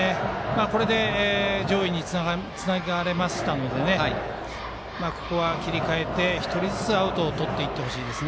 これで上位につながりましたのでここは切り替えて１人ずつアウトをとってほしいです。